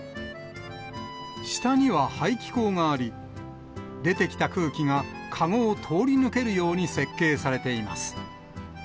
下には排気口があり、出てきた空気が、籠を通り抜けるように設計されています。